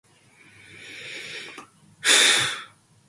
The Ruby River winds through the valley just west of the town.